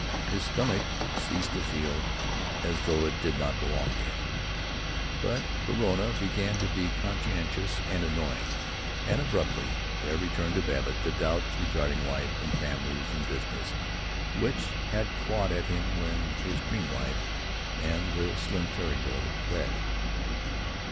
His stomach ceased to feel as though it did not belong to him, but Verona began to be conscientious and annoying, and abruptly there returned to Babbitt the doubts regarding life and families and business which had clawed at him when his dream life and the slim fairy girl had fled.